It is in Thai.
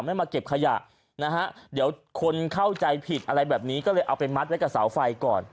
ไม่มาเก็บขยะนะฮะเดี๋ยวคนเข้าใจผิดอะไรแบบนี้ก็เลยเอาไปมัดไว้กับเสาไฟก่อน